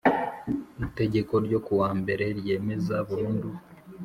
itegeko ryo ku wa mbere ryemeza burundu